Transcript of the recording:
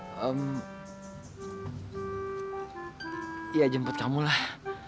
hmm ya jemput kamu lah